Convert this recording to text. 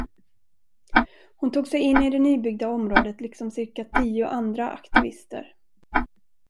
Hon tog sej in i det nybyggda området liksom cirka tio andra aktivister.